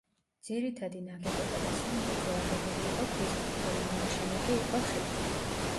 ძირითადი ნაგებობა და სამრეკლო აგებული იყო ქვისგან, ხოლო მინაშენები იყო ხის.